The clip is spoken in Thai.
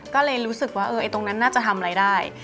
ก็เลยรู้สึกว่าตรงนั้นน่าจะทำอะไรได้